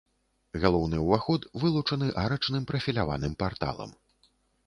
Галоўны ўваход вылучаны арачным прафіляваным парталам.